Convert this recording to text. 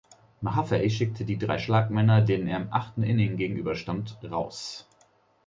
Mahaffey schickte die drei Schlagmänner, denen er im achten Inning gegenüberstand, raus.